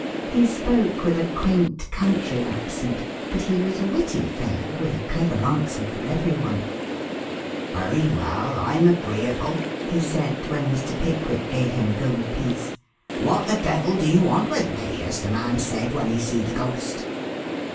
He spoke with a quaint country accent, but he was a witty fellow, with a clever answer for every one. "Werry well, I'm agreeable," he said when Mr. Pickwick gave him a gold piece. "What the devil do you want with me, as the man said when he see the ghost?"